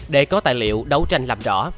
để có tài liệu đấu tranh làm rõ